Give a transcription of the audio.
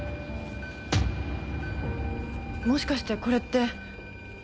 もしかしてこれって。